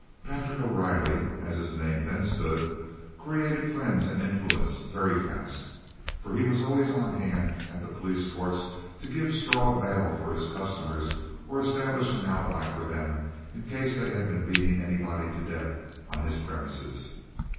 Patrick O'Riley (as his name then stood) created friends and influence very fast, for he was always on hand at the police courts to give straw bail for his customers or establish an alibi for them in case they had been beating anybody to death on his premises.